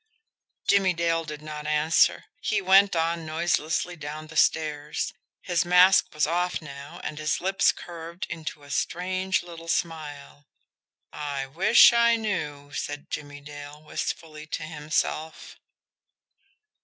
Jimmie Dale did not answer he went on noiselessly down the stairs. His mask was off now, and his lips curved into a strange little smile. "I wish I knew," said Jimmie Dale wistfully to himself.